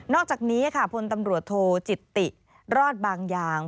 อกจากนี้ค่ะพลตำรวจโทจิตติรอดบางอย่าง